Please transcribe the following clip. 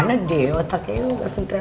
udah terima aja sih